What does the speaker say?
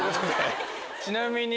ちなみに。